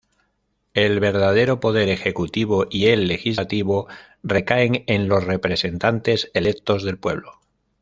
El verdadero poder ejecutivo y el legislativo recaen en los representantes electos del pueblo.